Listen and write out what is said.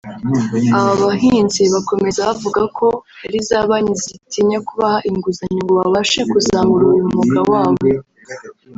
Aba bahinzi bakomeza bavuga ko hari za banki zigitinya kubaha inguzanyo ngo babashe kuzamura uyu mwuga wabo